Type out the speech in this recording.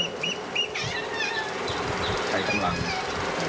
ใครกำลัง